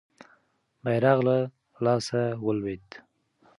بیرغ له لاسه ولوېد.